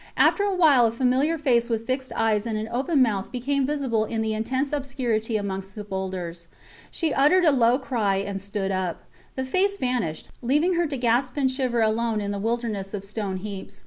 After a while a familiar face with fixed eyes and an open mouth became visible in the intense obscurity amongst the boulders. She uttered a low cry and stood up. The face vanished, leaving her to gasp and shiver alone in the wilderness of stone heaps.